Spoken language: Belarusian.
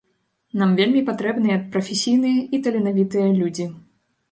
Нам вельмі патрэбныя прафесійныя і таленавітыя людзі.